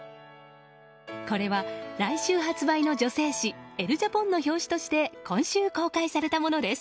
これは、来週発売の女性誌「エル・ジャポン」の表紙として今週、公開されたものです。